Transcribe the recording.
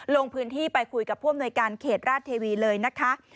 ลงพื้นที่ไปคุยกับพวงบริการเขตราชเทวีเลยนะคะ